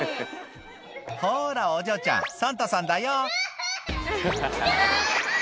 ほらお嬢ちゃんサンタさんだよ